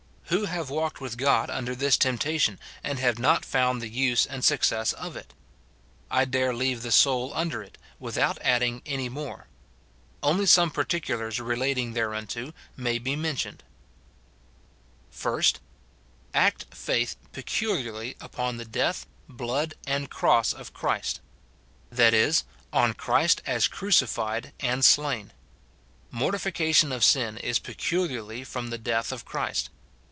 Who have walked with God under this tempta tion, and have not found the use and success of it ? I dare leave the soul under it, without adding any more. SIN IN BELIEVERS. 301 Only some particulars relating thereunto may be men tioned :— First, Act faith peculiarly upon tlie death, blood, and cross of Christ ; that is, on Christ as crucified and slain. ^Mortification of sin is peculiarly from the death of Christ.